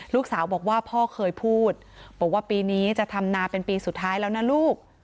ลูกสาวบอกว่าพ่อเคยพูดบอกว่าปีนี้จะทำนาเป็นปีสุดท้ายแล้วนะลูก